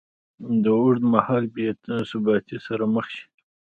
له اوږدمهاله بېثباتۍ سره مخ شي